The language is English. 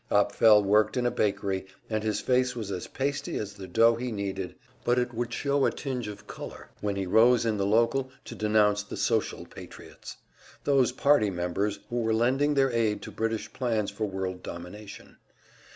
Apfel worked in a bakery, and his face was as pasty as the dough he kneaded, but it would show a tinge of color when he rose in the local to denounce the "social patriots," those party members who were lending their aid to British plans for world domination.